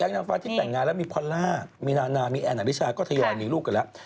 นางฟ้าที่แต่งงานแล้วมีพอลล่ามีนานามีแอนอริชาก็ทยอยมีลูกกันแล้ว